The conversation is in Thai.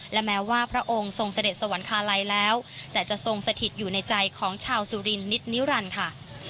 และแม้ว่าพระองค์ทรงเสด็จสวรรคาลัยแล้วแต่จะทรงสถิตอยู่ในใจของชาวสุรินนิดนิรันดิ์ค่ะ